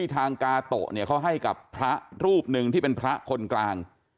ทางกาโตะเนี่ยเขาให้กับพระรูปหนึ่งที่เป็นพระคนกลาง